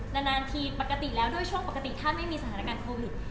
ด้านนานโดยช่วงปกติถ้าไม่มีสถานการณ์โควิด